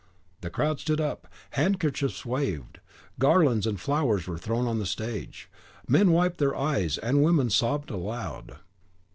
The crowd stood up, handkerchiefs waved, garlands and flowers were thrown on the stage, men wiped their eyes, and women sobbed aloud.